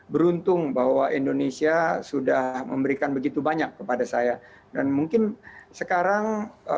beruntung bahwa indonesia sudah memberikan begitu banyak kepada saya dan mungkin sekarang